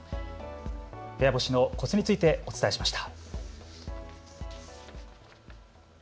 部屋干しのコツについてお伝えしました。